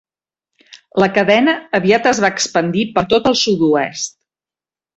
La cadena aviat es va expandir per tot el sud-oest.